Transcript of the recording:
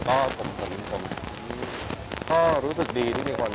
คือเราคุยกันเหมือนเดิมตลอดเวลาอยู่แล้วไม่ได้มีอะไรสูงแรง